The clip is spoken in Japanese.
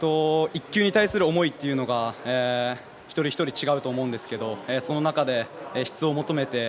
１球に対する思いが一人一人違うと思うんですけどその中で質を求めて、１